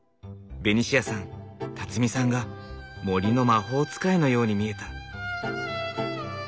ベニシアさんさんが森の魔法使いのように見えた。